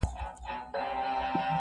دا چې مرهون استاد وایي